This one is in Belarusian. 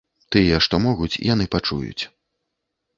Тыя, што могуць, яны пачуюць.